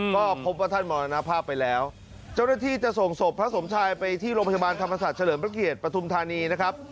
ก็พบว่าท่านมรณภาพไปแล้วเจ้าหน้าที่จะส่งศพพระสมชายไปที่โรงพยาบาลธรรมศาสตร์เฉลิมพระเกียรติปฐุมธานีนะครับ